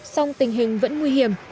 song tình hình vẫn nguy hiểm